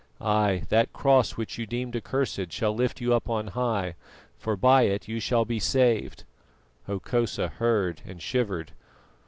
Ay, that Cross which you deemed accursed shall lift you up on high, for by it you shall be saved._" Hokosa heard and shivered.